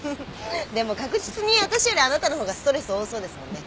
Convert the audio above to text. でも確実に私よりあなたの方がストレス多そうですもんね？